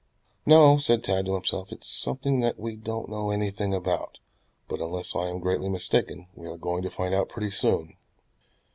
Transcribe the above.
"No," said Tad to himself, "it's something that we don't know anything about. But unless I am greatly mistaken we are going to find out pretty soon."